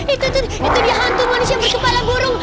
itu tuh itu dia hantu manusia kepala burung